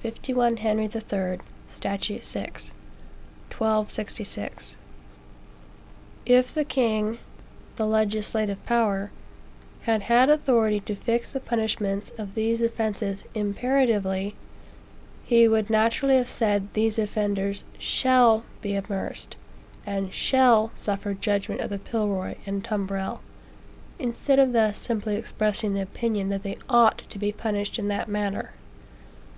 51 Henry III., st. 6. (1266.) If the king (the legislative power) had had authority to fix the punishments of these offences imperatively, he would naturally have said these offenders shall be amerced, and shall suffer judgment of the pillory and tumbrel, instead of thus simply expressing the opinion that they ought to be punished in that manner.